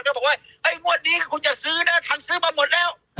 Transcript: บอกว่างวดนี้คุณจะซื้อนะฉันซื้อมาหมดแล้ว